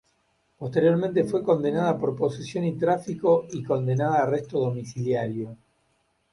Posteriormente fue condenada por posesión y tráfico y condenada a arresto domiciliario.